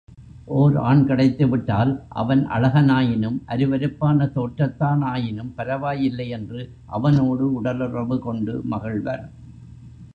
ஓர் ஆண் கிடைத்துவிட்டால் அவன் அழகனாயினும் அருவருப்பான தோற்றத்தானாயினும் பரவாயில்லையென்று அவனோடு உடலுறவு கொண்டு மகிழ்வர்.